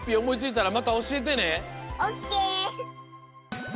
オッケー！